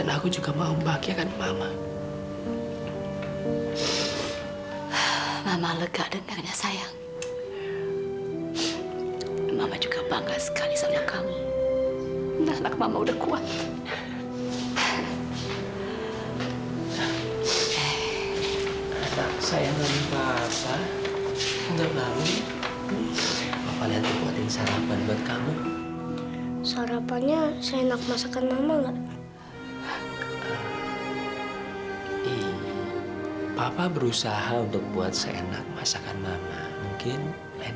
ya mudah mudahan aku bisa bertemu dengan dia